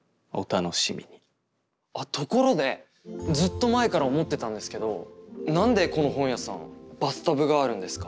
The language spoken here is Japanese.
ところでずっと前から思ってたんですけど何でこの本屋さんバスタブがあるんですか？